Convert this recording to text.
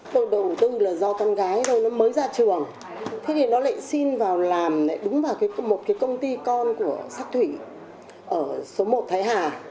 tôi đầu tư là do con gái mới ra trường thế thì nó lại xin vào làm đúng vào một công ty con của shark thủy ở số một thái hà